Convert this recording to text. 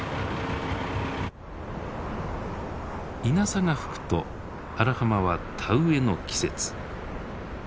イナサが吹くと荒浜は田植えの季節。